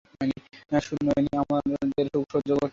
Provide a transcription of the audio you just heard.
সুনয়নী আমাদের সুখ সহ্য করতে পারেনি।